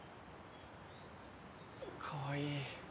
かわいい。